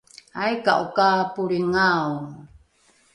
aika’o ka polringao?